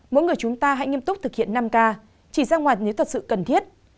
mỗi người chúng ta hãy nghiêm túc thực hiện năm k chỉ ra ngoài nếu thật sự cần thiết